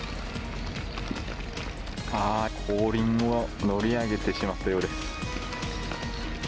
後輪が乗り上げてしまったようです。